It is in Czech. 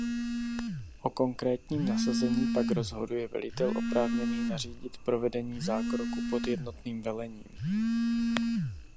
O konkrétním nasazení pak rozhoduje velitel oprávněný nařídit provedení zákroku pod jednotným velením.